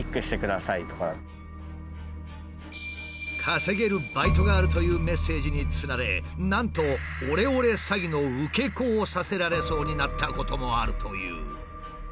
稼げるバイトがあるというメッセージにつられなんとオレオレ詐欺の受け子をさせられそうになったこともあるという。